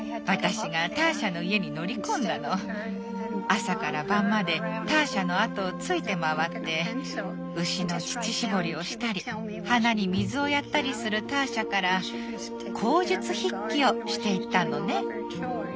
朝から晩までターシャの後をついて回って牛の乳搾りをしたり花に水をやったりするターシャから口述筆記をしていったのね。